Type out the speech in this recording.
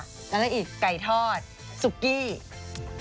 พิซซ่าแล้วศิลปิงไก่ทอดซุเข้ม